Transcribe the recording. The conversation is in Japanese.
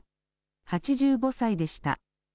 ８５歳でした。